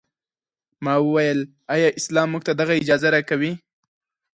ما وویل ایا اسلام موږ ته دغه اجازه راکوي.